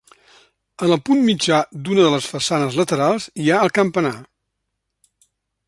En el punt mitjà d'una de les façanes laterals hi ha el campanar.